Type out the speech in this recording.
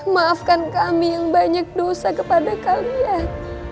maafkan kami yang banyak dosa kepada kalian